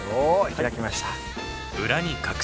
開きました。